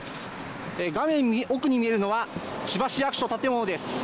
画面奥に見えるのは千葉市役所建物です。